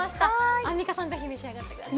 アンミカさん、ぜひ召し上がってください。